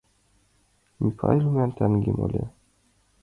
Миклай лӱман таҥем ыле -